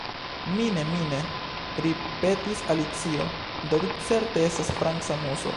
"Mine', mine'," ripetis Alicio "do vi certe estas franca Muso.